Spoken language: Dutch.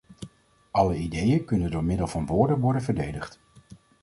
Alle ideeën kunnen door middel van woorden worden verdedigd.